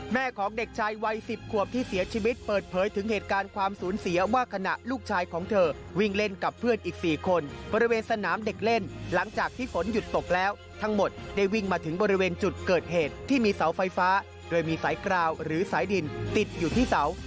ของเด็กชายวัย๑๐ขวบที่เสียชีวิตเปิดเผยถึงเหตุการณ์ความสูญเสียว่าขณะลูกชายของเธอวิ่งเล่นกับเพื่อนอีก๔คนบริเวณสนามเด็กเล่นหลังจากที่ฝนหยุดตกแล้วทั้งหมดได้วิ่งมาถึงบริเวณจุดเกิดเหตุที่มีเสาไฟฟ้าโดยมีสายกราวหรือสายดินติดอยู่ที่เสา